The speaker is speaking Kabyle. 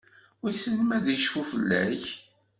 Wissen ma ad icfu fell-ak?